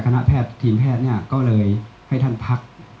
คณะแพทย์ทีมแพทย์ก็ให้พัก